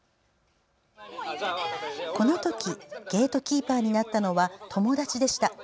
このときゲートキーパーになったのは友達でした。